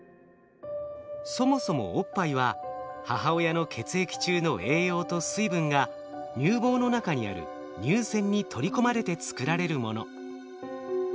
そもそもおっぱいは母親の血液中の栄養と水分が乳房の中にある乳腺に取り込まれて作られるもの。